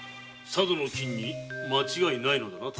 佐渡の金に間違いないのか！？